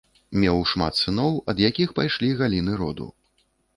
Меў шмат сыноў, ад якіх пайшлі галіны роду.